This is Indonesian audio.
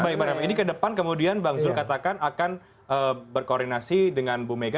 baik bang rem ini ke depan kemudian bang zul katakan akan berkoordinasi dengan bu mega